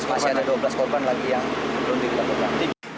masih ada dua belas korban lagi yang belum ditemukan